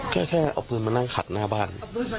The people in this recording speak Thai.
แค่เอาปืนมานั่งขัดหน้าบ้าน